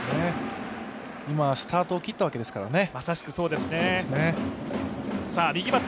今、スタートを切ったわけですからね。